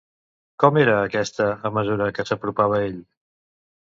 Com era aquesta a mesura que s'apropava a ell?